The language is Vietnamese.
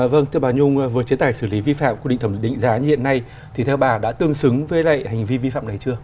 vâng thưa bà nhung với chế tài xử lý vi phạm quy định thẩm định giá hiện nay thì theo bà đã tương xứng với lại hành vi vi phạm này chưa